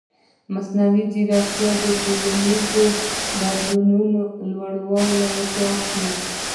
مصنوعي ځیرکتیا د ټولنیزو بدلونونو لوری ټاکي.